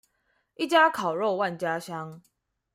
一家烤肉萬家香